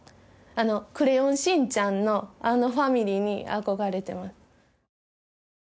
「クレヨンしんちゃん」のあのファミリーに憧れてます